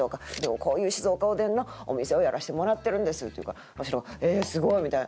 「こういう静岡おでんのお店をやらせてもらってるんです」って言うからわしらは「ええーすごい！」みたいな。